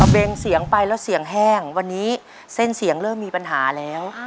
เบงเสียงไปแล้วเสียงแห้งวันนี้เส้นเสียงเริ่มมีปัญหาแล้ว